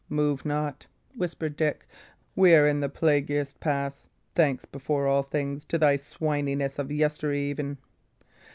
"Move not," whispered Dick. "We are in the plaguiest pass, thanks, before all things, to thy swinishness of yestereven.